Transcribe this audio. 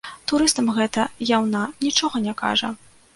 Турыстам гэта яўна нічога не кажа.